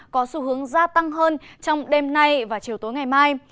có xu hướng gia tăng hơn trong đêm nay và chiều tối ngày mai